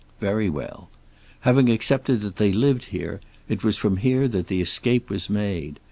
Very well. Having accepted that they lived here, it was from here that the escape was made.